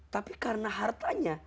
tapi karena hartanya